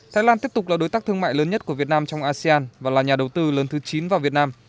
thái lan tiếp tục là đối tác thương mại lớn nhất của việt nam trong asean và là nhà đầu tư lớn thứ chín vào việt nam